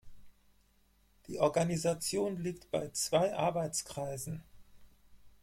Die Organisation liegt bei zwei Arbeitskreisen.